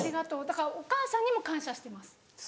だからお母さんにも感謝してます。